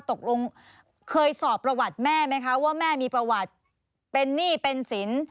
ตกลงเคยสอบประวัติแม่ไหมคะว่าแม่มีประวัติเป็นหนี้เป็นสิน